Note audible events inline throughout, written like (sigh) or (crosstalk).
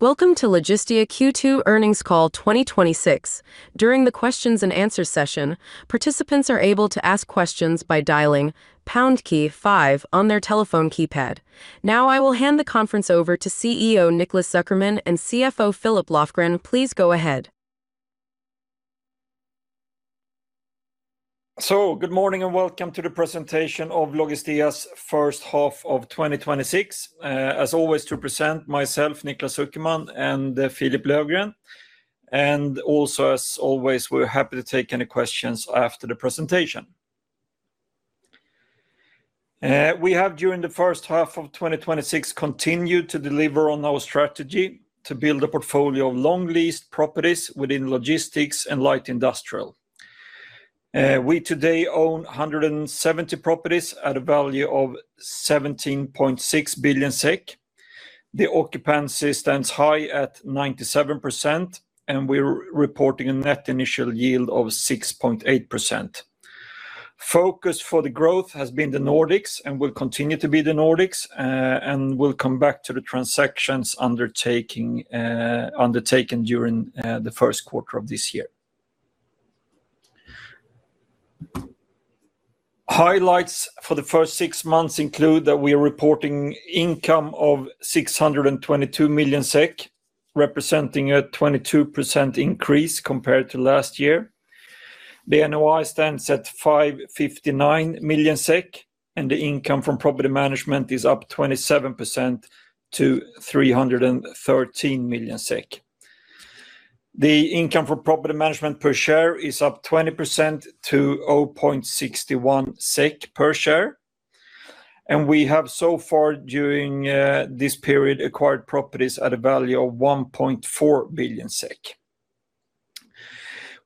Welcome to Logistea Q2 earnings call 2026. During the questions and answers session, participants are able to ask questions by dialing pound key five on their telephone keypad. Now I will hand the conference over to CEO Niklas Zuckerman and CFO Philip Löfgren. Please go ahead. Good morning and welcome to the presentation of Logistea's first half of 2026. As always, to present, myself, Niklas Zuckerman, and Philip Löfgren. Also as always, we are happy to take any questions after the presentation. We have, during the first half of 2026, continued to deliver on our strategy to build a portfolio of long leased properties within logistics and light industrial. We today own 170 properties at a value of 17.6 billion SEK. The occupancy stands high at 97%, and we are reporting a net initial yield of 6.8%. Focus for the growth has been the Nordics and will continue to be the Nordics, we will come back to the transactions undertaken during the first quarter of this year. Highlights for the first six months include that we are reporting income of 622 million SEK, representing a 22% increase compared to last year. The NOI stands at 559 million SEK, the income from property management is up 27% to 313 million SEK. The income for property management per share is up 20% to 0.61 SEK per share. We have so far during this period acquired properties at a value of 1.4 billion SEK.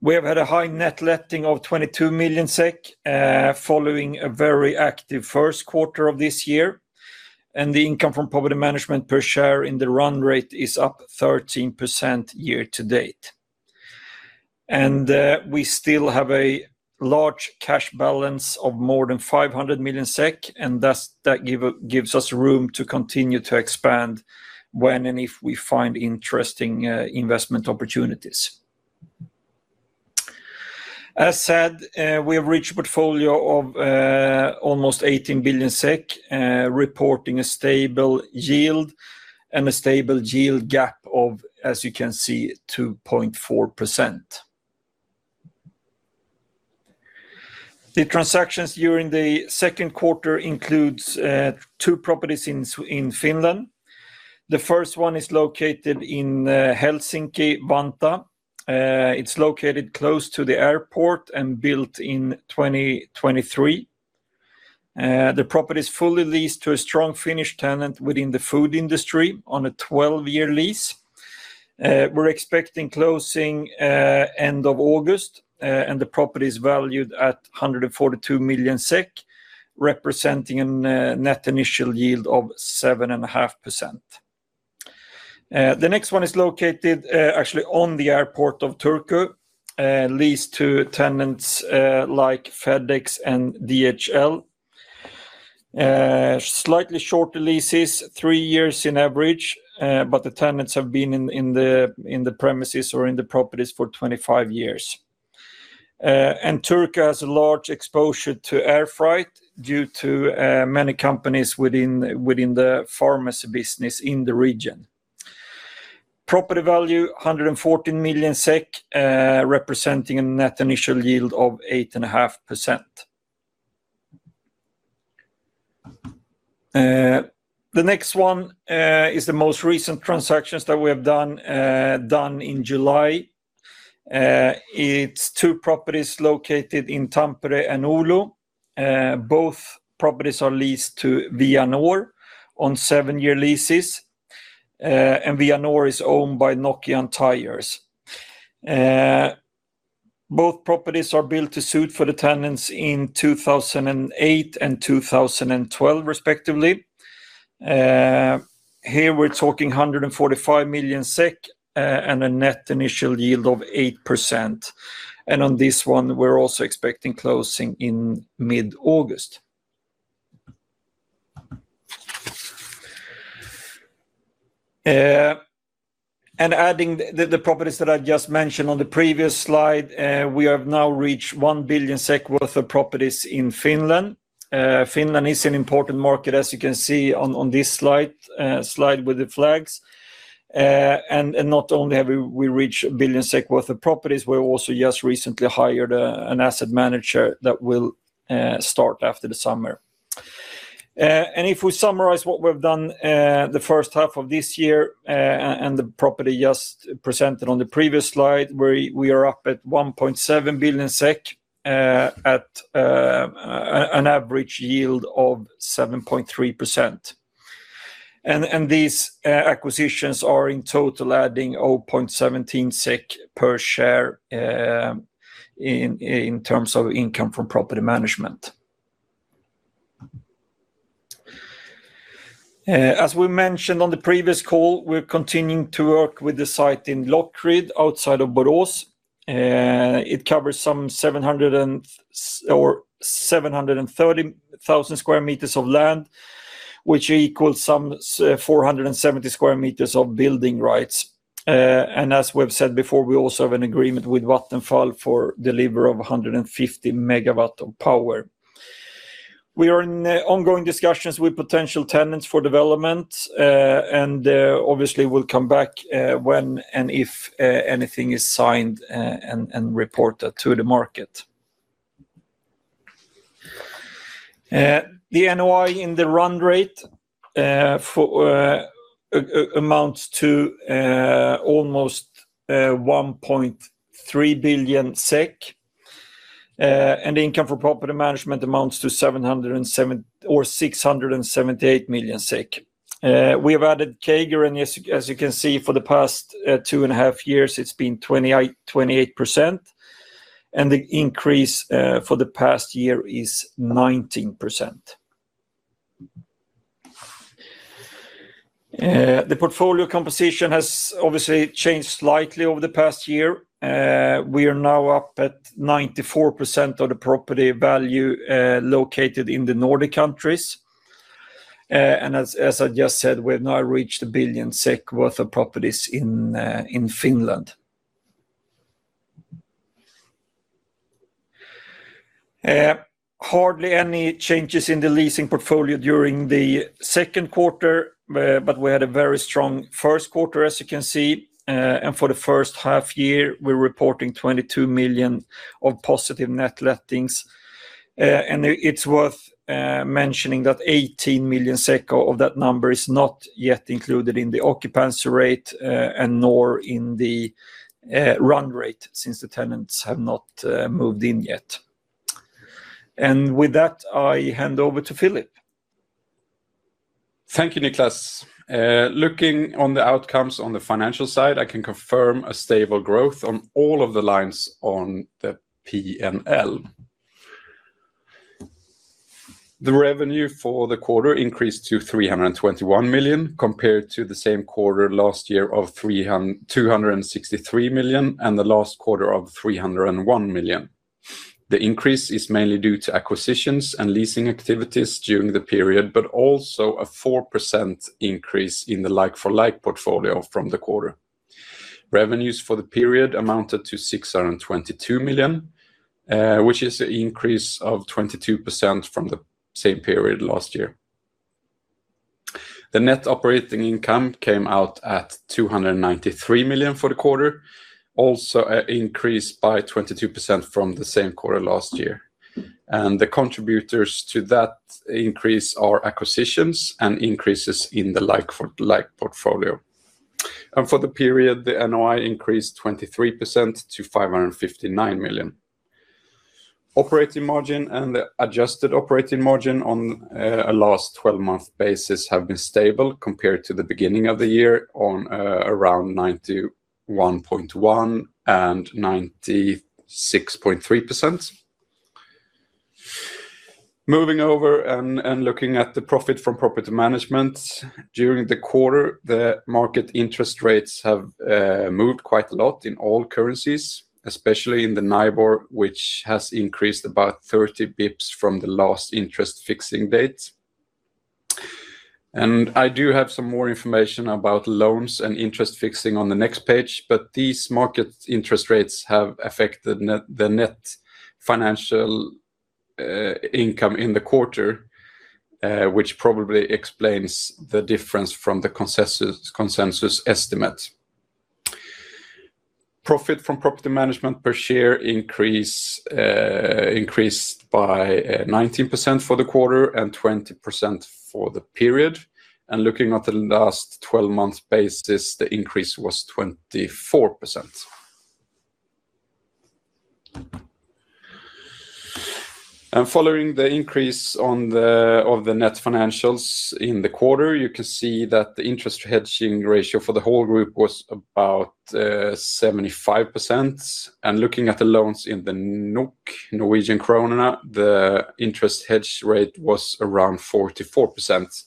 We have had a high net letting of 22 million SEK, following a very active first quarter of this year, and the income from property management per share in the run rate is up 13% year to date. We still have a large cash balance of more than 500 million SEK, and thus that gives us room to continue to expand when and if we find interesting investment opportunities. As said, we have reached a portfolio of almost 18 billion SEK, reporting a stable yield and a stable yield gap of, as you can see, 2.4%. The transactions during the second quarter includes two properties in Finland. The first one is located in Helsinki-Vantaa. It is located close to the airport and built in 2023. The property is fully leased to a strong Finnish tenant within the food industry on a 12-year lease. We are expecting closing end of August, the property is valued at 142 million SEK, representing a net initial yield of 7.5%. The next one is located actually on the airport of Turku, leased to tenants like FedEx and DHL. Slightly shorter leases, three years on average, but the tenants have been in the premises or in the properties for 25 years. Turku has a large exposure to air freight due to many companies within the pharmacy business in the region. Property value 114 million SEK, representing a net initial yield of 8.5%. The next one is the most recent transactions that we have done in July. It's two properties located in Tampere and Oulu. Both properties are leased to Vianor on seven-year leases. Vianor is owned by Nokian Tyres. Both properties are built to suit for the tenants in 2008 and 2012 respectively. Here we're talking 145 million SEK and a net initial yield of 8%. On this one, we're also expecting closing in mid-August. Adding the properties that I just mentioned on the previous slide, we have now reached 1 billion SEK worth of properties in Finland. Finland is an important market, as you can see on this slide with the flags. Not only have we reached 1 billion SEK worth of properties, we also just recently hired an asset manager that will start after the summer. If we summarize what we've done the first half of this year, and the property just presented on the previous slide, we are up at 1.7 billion SEK at an average yield of 7.3%. These acquisitions are in total adding 0.17 SEK per share in terms of income from property management. As we mentioned on the previous call, we're continuing to work with the site in Lockryd, outside of Borås. It covers some 730,000 sq m of land, which equals some 470 sq m of building rights. As we've said before, we also have an agreement with Vattenfall for delivery of 150 MW of power. We are in ongoing discussions with potential tenants for development. Obviously we'll come back when and if anything is signed and reported to the market. The NOI in the run rate amounts to almost 1.3 billion SEK. Income for property management amounts to 678 million SEK. We have added CAGR, as you can see for the past two and a half years it's been 28%. The increase for the past year is 19%. The portfolio composition has obviously changed slightly over the past year. We are now up at 94% of the property value located in the Nordic countries. As I just said, we've now reached 1 billion SEK worth of properties in Finland. Hardly any changes in the leasing portfolio during the second quarter, but we had a very strong first quarter as you can see. For the first half year, we're reporting 22 million of positive net lettings. It's worth mentioning that 18 million of that number is not yet included in the occupancy rate, nor in the run rate since the tenants have not moved in yet. With that, I hand over to Philip. Thank you, Niklas. Looking on the outcomes on the financial side, I can confirm a stable growth on all of the lines on the P&L. The revenue for the quarter increased to 321 million compared to the same quarter last year of 263 million, and the last quarter of 301 million. The increase is mainly due to acquisitions and leasing activities during the period, but also a 4% increase in the like-for-like portfolio from the quarter. Revenues for the period amounted to 622 million, which is an increase of 22% from the same period last year. The net operating income came out at 293 million for the quarter, also increased by 22% from the same quarter last year. The contributors to that increase are acquisitions and increases in the like-for-like portfolio. For the period, the NOI increased 23% to 559 million. Operating margin and the adjusted operating margin on a last 12-month basis have been stable compared to the beginning of the year on around 91.1% and 96.3%. Moving over and looking at the profit from property management. During the quarter, the market interest rates have moved quite a lot in all currencies, especially in the NIBOR, which has increased about 30 basis points from the last interest fixing date. I do have some more information about loans and interest fixing on the next page, but these market interest rates have affected the net financial income in the quarter, which probably explains the difference from the consensus estimate. Profit from property management per share increased by 19% for the quarter and 20% for the period. Looking at the last 12 months basis, the increase was 24%. Following the increase of the net financials in the quarter, you can see that the interest hedging ratio for the whole group was about 75%. Looking at the loans in the NOK, Norwegian kroner, the interest hedge rate was around 44%,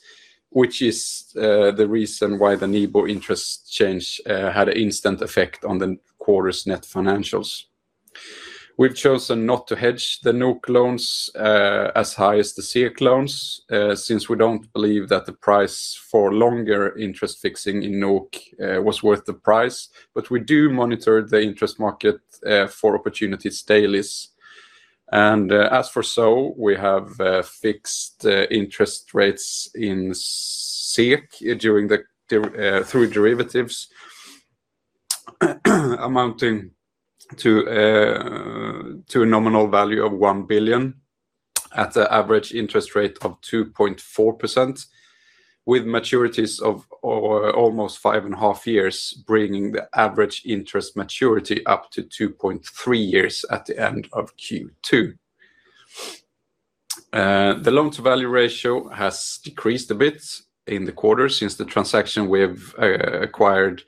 which is the reason why the NIBOR interest change had an instant effect on the quarter's net financials. We've chosen not to hedge the NOK loans as high as the SEK loans, since we don't believe that the price for longer interest fixing in NOK was worth the price. We do monitor the interest market for opportunities daily. As for so, we have fixed interest rates in SEK through derivatives amounting to a nominal value of 1 billion at the average interest rate of 2.4%, with maturities of almost five and a half years, bringing the average interest maturity up to 2.3 years at the end of Q2. The loan-to-value ratio has decreased a bit in the quarter since the transaction was acquired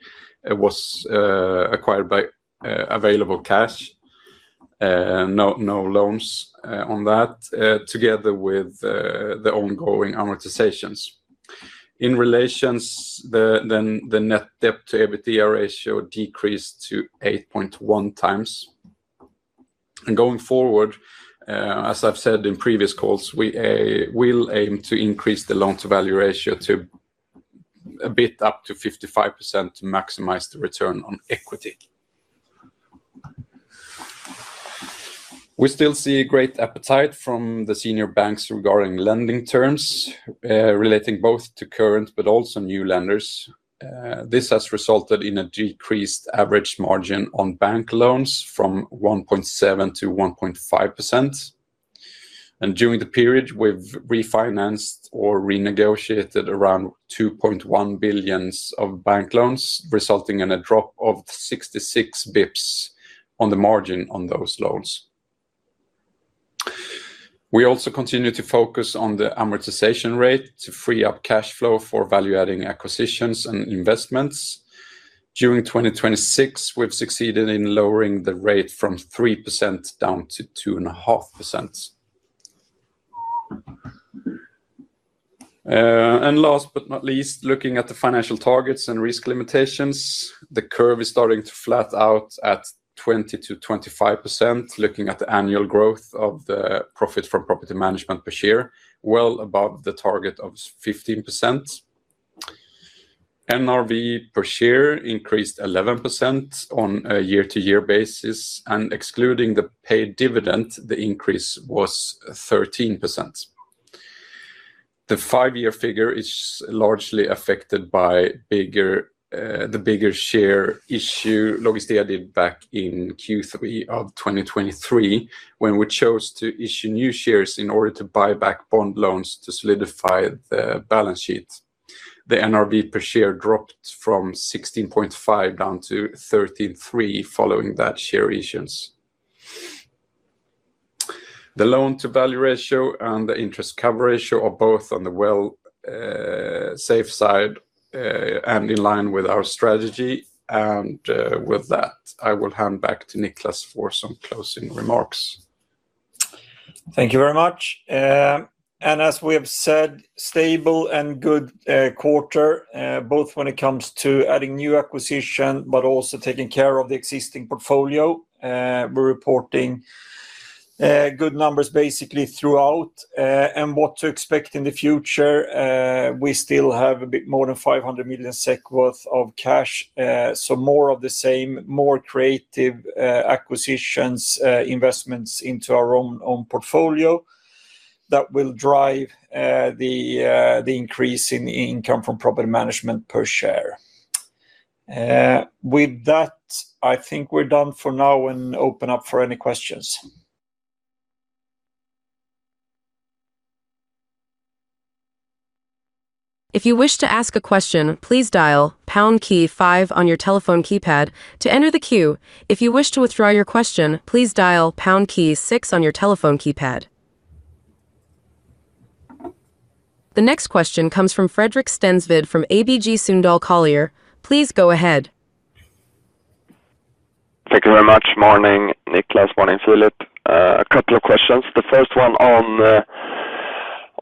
by available cash. No loans on that, together with the ongoing amortizations. In relations, the net debt to EBITDA ratio decreased to 8.1x. Going forward, as I've said in previous calls, we will aim to increase the loan-to-value ratio a bit up to 55% to maximize the return on equity. We still see great appetite from the senior banks regarding lending terms relating both to current but also new lenders. This has resulted in a decreased average margin on bank loans from 1.7% to 1.5%. During the period, we've refinanced or renegotiated around 2.1 billion of bank loans, resulting in a drop of 66 basis points on the margin on those loans. We also continue to focus on the amortization rate to free up cash flow for value-adding acquisitions and investments. During 2026, we've succeeded in lowering the rate from 3% down to 2.5%. Last but not least, looking at the financial targets and risk limitations, the curve is starting to flat out at 20%-25%. Looking at the annual growth of the profit from property management per share, well above the target of 15%. NRV per share increased 11% on a year-to-year basis, and excluding the paid dividend, the increase was 13%. The five-year figure is largely affected by the bigger share issue Logistea did back in Q3 of 2023 when we chose to issue new shares in order to buy back bond loans to solidify the balance sheet. The NRV per share dropped from 16.5 down to 13.3 following that share issuance. The loan-to-value ratio and the interest cover ratio are both on the well safe side and in line with our strategy. With that, I will hand back to Niklas for some closing remarks. Thank you very much. As we have said, stable and good quarter, both when it comes to adding new acquisition, but also taking care of the existing portfolio. We're reporting good numbers basically throughout. What to expect in the future, we still have a bit more than 500 million SEK worth of cash. More of the same, more creative acquisitions, investments into our own portfolio that will drive the increase in income from property management per share. With that, I think we're done for now and open up for any questions. If you wish to ask a question, please dial pound key five on your telephone keypad to enter the queue. If you wish to withdraw your question, please dial pound key six on your telephone keypad. The next question comes from Fredrik Skjerven from ABG Sundal Collier. Please go ahead. Thank you very much. Morning, Niklas. Morning, Philip. A couple of questions. The first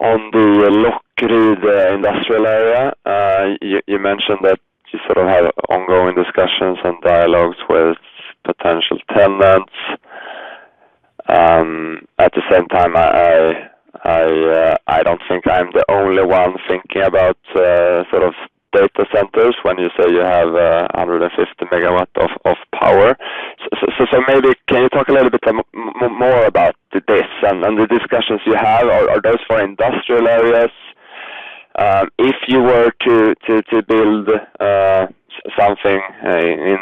one on the Lockryd industrial area. You mentioned that you sort of have ongoing discussions and dialogues with potential tenants. At the same time, I don't think I'm the only one thinking about data centers when you say you have 150 MW of power. Maybe can you talk a little bit more about this and the discussions you have? Are those for industrial areas? If you were to build something in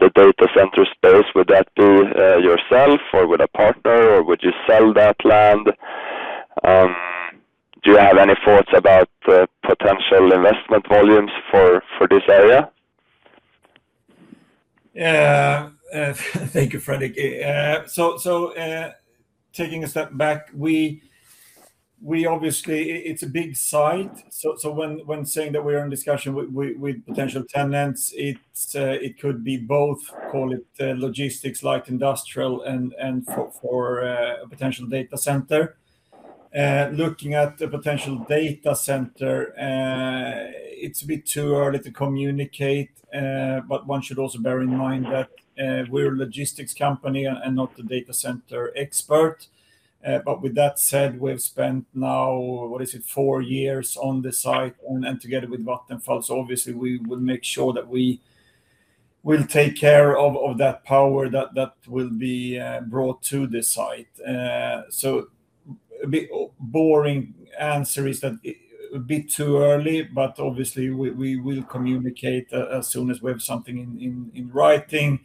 the data center space, would that be yourself or with a partner, or would you sell that land? Do you have any thoughts about potential investment volumes for this area? Thank you, Fredrik. Taking a step back, obviously, it's a big site. When saying that we're in discussion with potential tenants, it could be both call it logistics like industrial and for a potential data center. Looking at the potential data center, it's a bit too early to communicate. One should also bear in mind that we're a logistics company and not the data center expert. With that said, we've spent now, what is it, four years on this site, and together with Vattenfall, obviously we will make sure that we will take care of that power that will be brought to this site. A bit boring answer is that a bit too early, but obviously we will communicate as soon as we have something in writing.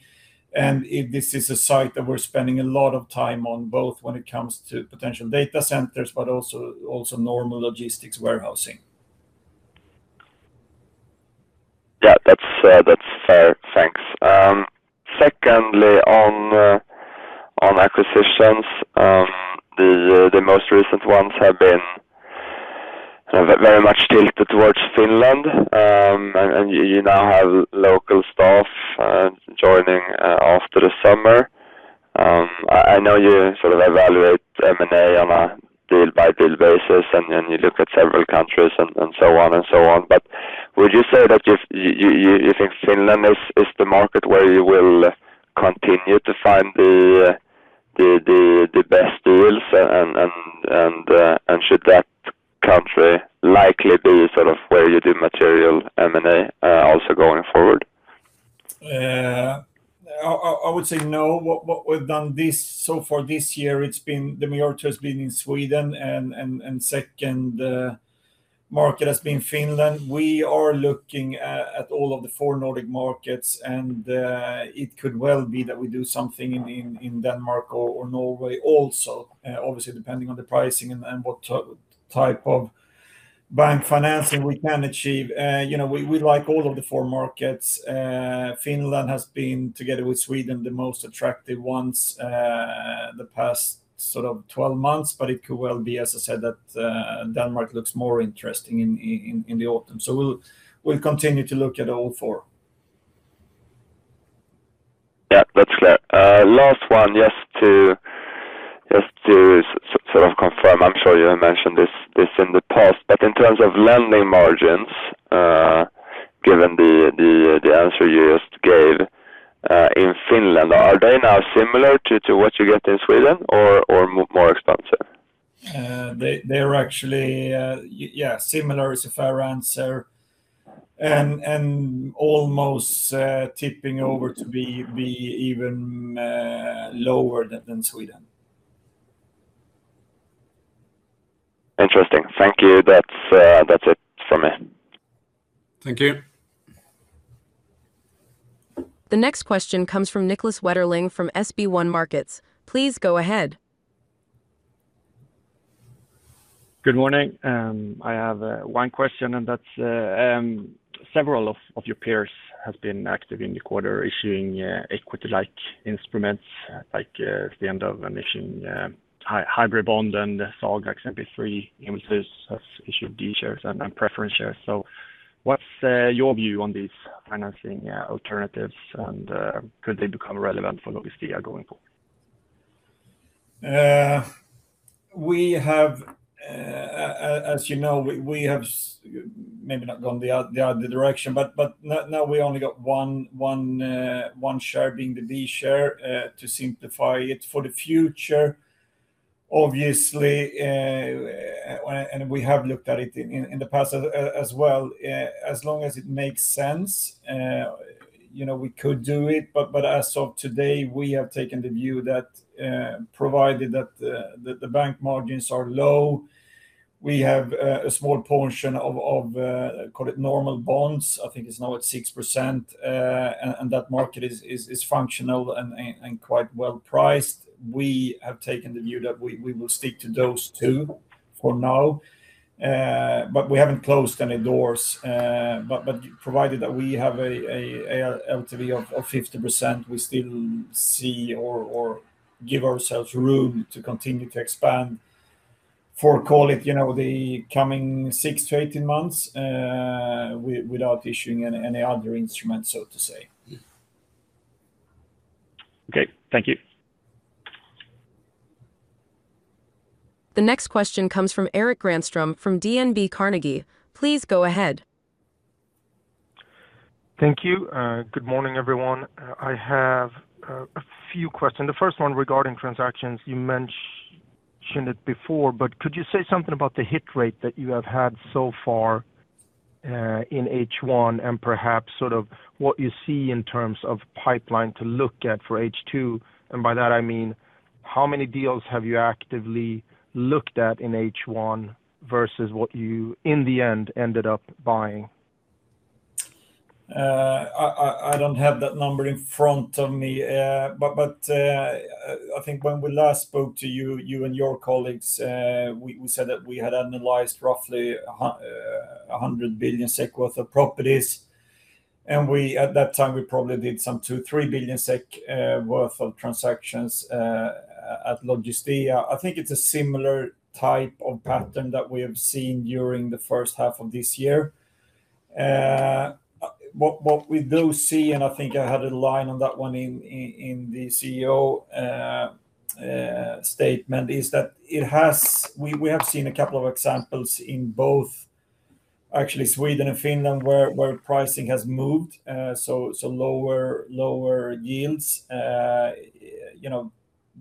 This is a site that we're spending a lot of time on, both when it comes to potential data centers, also normal logistics warehousing. Yeah, that's fair. Thanks. Secondly, on acquisitions, the most recent ones have been very much tilted towards Finland. You now have local staff joining after the summer I know you evaluate M&A on a deal-by-deal basis, you look at several countries and so on. Would you say that you think Finland is the market where you will continue to find the best deals? Should that country likely be where you do material M&A also going forward? I would say no. What we've done so far this year, the majority has been in Sweden and second market has been Finland. We are looking at all of the four Nordic markets. It could well be that we do something in Denmark or Norway also. Obviously, depending on the pricing and what type of bank financing we can achieve. We like all of the four markets. Finland has been, together with Sweden, the most attractive ones the past 12 months. It could well be, as I said, that Denmark looks more interesting in the autumn. We'll continue to look at all four. Yeah, that's clear. Last one, just to confirm, I'm sure you mentioned this in the past. In terms of lending margins, given the answer you just gave in Finland, are they now similar to what you get in Sweden or more expensive? They're actually similar, is a fair answer. Almost tipping over to be even lower than Sweden. Interesting. Thank you. That's it from me. Thank you. The next question comes from Niklas Wetterling from SB1 Markets. Please go ahead. Good morning. I have one question, that's several of your peers have been active in the quarter issuing equity-like instruments, like at the end of (audio distortion) issued D shares and then preference shares. What's your view on these financing alternatives, and could they become relevant for Logistea going forward? As you know, we have maybe not gone the other direction, but now we only got one share being the B share to simplify it for the future. Obviously, we have looked at it in the past as well, as long as it makes sense, we could do it. As of today, we have taken the view that provided that the bank margins are low, we have a small portion of, call it normal bonds. I think it's now at 6%, that market is functional and quite well-priced. We have taken the view that we will stick to those two for now. We haven't closed any doors. Provided that we have a LTV of 50%, we still see or give ourselves room to continue to expand for, call it, the coming six to 18 months, without issuing any other instruments, so to say. Okay. Thank you. The next question comes from Erik Granström from DNB Carnegie. Please go ahead. Thank you. Good morning, everyone. I have a few questions. The first one regarding transactions, you mentioned it before, but could you say something about the hit rate that you have had so far in H1 and perhaps what you see in terms of pipeline to look at for H2? By that, I mean how many deals have you actively looked at in H1 versus what you, in the end, ended up buying? I don't have that number in front of me. I think when we last spoke to you and your colleagues, we said that we had analyzed roughly 100 billion SEK worth of properties. At that time, we probably did some 2 billion-3 billion SEK worth of transactions at Logistea. I think it's a similar type of pattern that we have seen during the first half of this year. What we do see, and I think I had a line on that one in the CEO statement, is that we have seen a couple of examples in both actually Sweden and Finland, where pricing has moved. Lower yields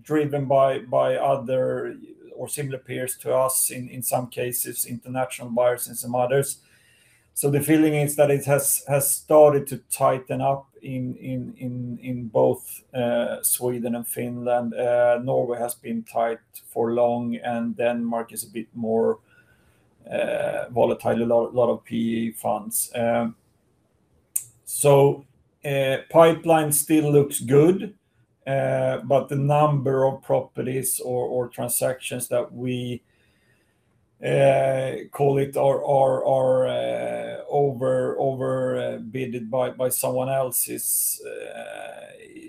driven by other or similar peers to us, in some cases, international buyers in some others. The feeling is that it has started to tighten up in both Sweden and Finland. Norway has been tight for long, Denmark is a bit more volatile, a lot of PE funds. Pipeline still looks good. The number of properties or transactions that we, call it, are overbid by someone else is,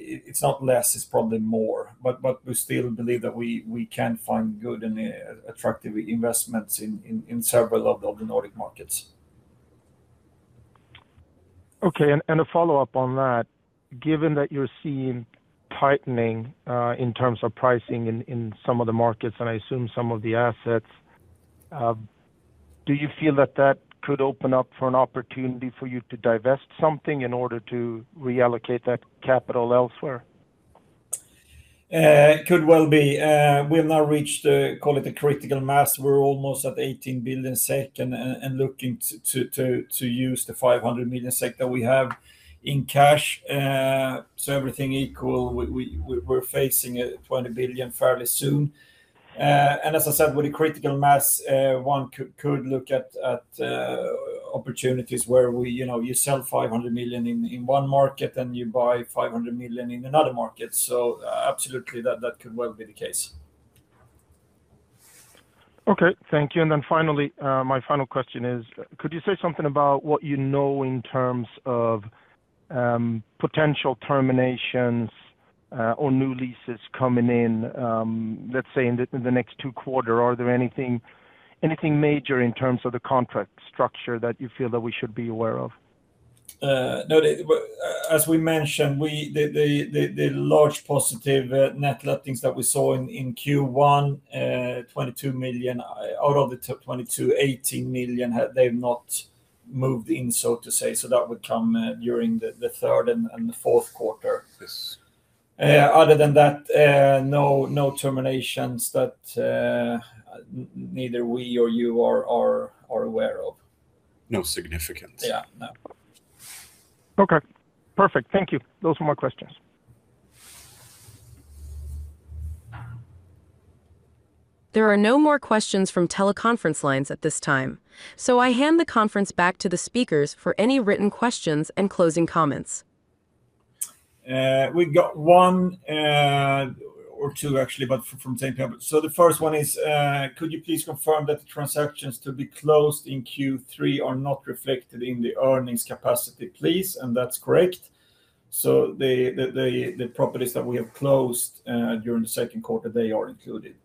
it's not less, it's probably more. We still believe that we can find good and attractive investments in several of the Nordic markets. Okay, a follow-up on that. Given that you're seeing tightening in terms of pricing in some of the markets, and I assume some of the assets, do you feel that that could open up for an opportunity for you to divest something in order to reallocate that capital elsewhere? It could well be. We have now reached the, call it the critical mass. We're almost at 18 billion SEK and looking to use the 500 million SEK that we have in cash. Everything equal, we're facing 20 billion fairly soon. As I said, with the critical mass, one could look at opportunities where you sell 500 million in one market, and you buy 500 million in another market. Absolutely, that could well be the case. Okay, thank you. Finally, my final question is, could you say something about what you know in terms of potential terminations or new leases coming in, let's say in the next two quarters? Are there anything major in terms of the contract structure that you feel that we should be aware of? No. As we mentioned, the large positive net lettings that we saw in Q1, 22 million, out of the 22 million, 18 million, had they not moved in, so to say. That would come during the third and the fourth quarter. Yes. Other than that, no terminations that neither we or you are aware of. No significance. Yeah, no. Okay, perfect. Thank you. Those were my questions. There are no more questions from teleconference lines at this time. I hand the conference back to the speakers for any written questions and closing comments. We've got one or two actually, but from same people. The first one is, could you please confirm that the transactions to be closed in Q3 are not reflected in the earnings capacity, please? That's correct. The properties that we have closed during the second quarter, they are included.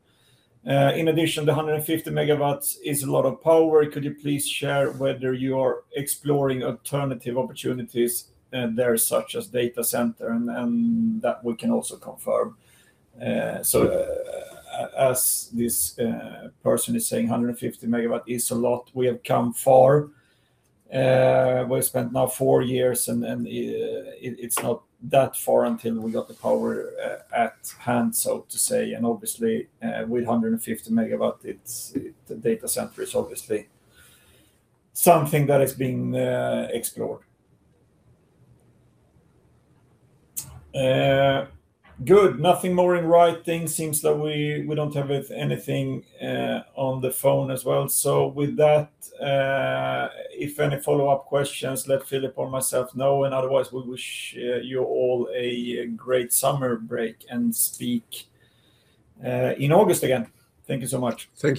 In addition, the 150 MW is a lot of power. Could you please share whether you are exploring alternative opportunities there such as data center? That we can also confirm. As this person is saying, 150 MW is a lot. We have come far. We've spent now four years, and it's not that far until we got the power at hand, so to say. Obviously, with 150 MW, the data center is obviously something that is being explored. Good. Nothing more in writing. Seems that we don't have anything on the phone as well. With that, if any follow-up questions, let Philip or myself know, otherwise we wish you all a great summer break, speak in August again. Thank you so much. Thank you.